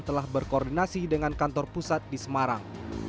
telah berkoordinasi dengan kantor pusat di semarang